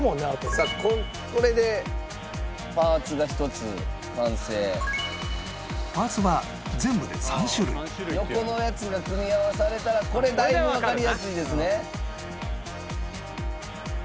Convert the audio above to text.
「さあこれでパーツが１つ完成」「横のやつが組み合わされたらこれだいぶわかりやすいですね」